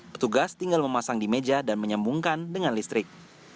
petugas tinggal memasang di meja dan menyambungkan dengan listrik